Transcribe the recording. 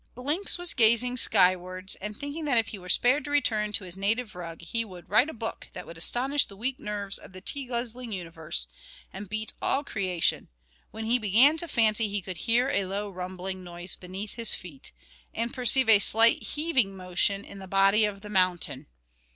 Blinks was gazing skywards, and thinking that if he were spared to return to his native rug, he would write a book that would astonish the weak nerves of the tea guzzling universe, and beat all creation, when he began to fancy he could hear a low rumbling noise beneath his feet, and perceive a slight heaving motion in the body of the mountain.